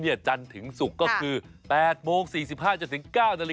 เช้านี้จันถึงศุกร์ก็คือ๘๔๕จนถึง๙๔๕